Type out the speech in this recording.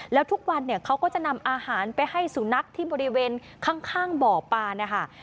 แล้วทุกวันเนี่ยเขาก็จะนำอาหารไปให้สุนัขที่บริเวณข้างบ่อปลานะคะ